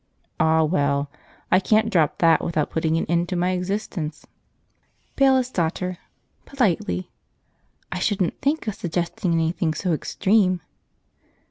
Ah, well! I can't drop that without putting an end to my existence." Bailiff's Daughter (politely). "I shouldn't think of suggesting anything so extreme."